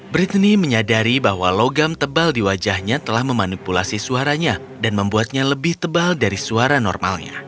brittany menyadari bahwa logam tebal di wajahnya telah memanipulasi suaranya dan membuatnya lebih tebal dari suara normalnya